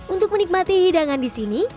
untuk menikmati hidangan di sini